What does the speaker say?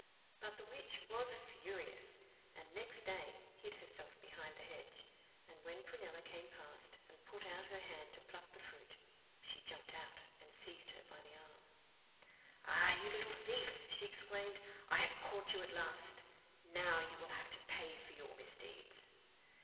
But the witch was furious, and next day hid herself behind the hedge, and when Prunella came past, and put out her hand to pluck the fruit, she jumped out and seized her by the arm. 'Ah! you little thief!' she exclaimed. 'I have caught you at last. Now you will have to pay for your misdeeds.